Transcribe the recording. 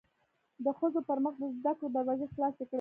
د ښځو پرمخ د زده کړو دروازې خلاصې کړی